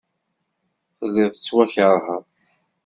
Telliḍ tettwakeṛheḍ.